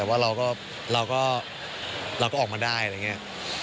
แต่ว่าเราก็เราก็เราก็ออกมาได้อะไรอย่างเงี้ย